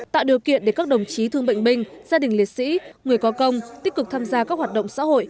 tạo điều kiện để các đồng chí thương bệnh binh gia đình liệt sĩ người có công tích cực tham gia các hoạt động xã hội